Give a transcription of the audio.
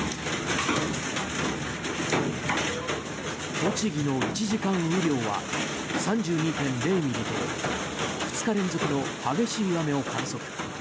栃木の１時間雨量は３２．０ミリと２日連続の激しい雨を観測。